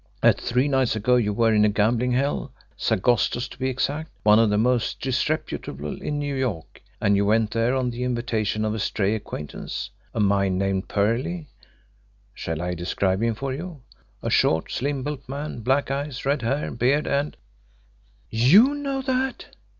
That three nights ago you were in a gambling hell, Sagosto's, to be exact, one of the most disreputable in New York and you went there on the invitation of a stray acquaintance, a man named Perley shall I describe him for you? A short, slim built man, black eyes, red hair, beard, and " "YOU know that!"